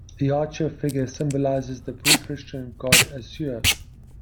The archer figure symbolizes the pre-Christian god Assur.